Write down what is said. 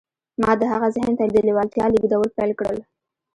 ما د هغه ذهن ته د لېوالتیا لېږدول پیل کړل